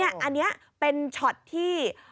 อันนี้เป็นช็อตที่